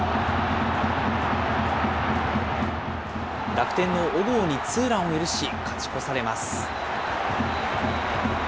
楽天の小郷にツーランを許し、勝ち越されます。